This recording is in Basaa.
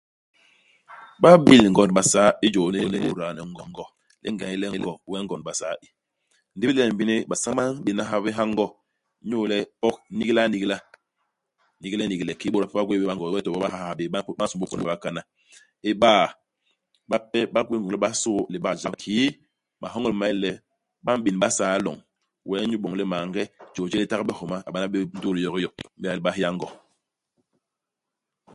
Ba bé yil ngond Basaa i jôl lini li bôda le Ngo. Le ingéda u n'yi le Ngo, wee ngond i Basaa i. Ndi ibilen bini, basañ ba m'béna ha bé ha Ngo. Inyu le pok, niglanigla. Niglenigle kiki bôt bape ba gwéé bé baNgo, wee to bo ba nha ha bé. Ba ba nsômbôl pôna bakana. Iba, bape ba gwéé ngôñ le ba so'o libak jap. Kiki mahoñol ma yé le, ba m'bén Basaa i loñ. Wee inyu iboñ le maange, jôy jéé li tagbe homa, a bana bé ndutu yokiyo, i m'béda le ba héya Ngo.